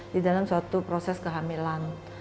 di dalam suatu proses kehamilan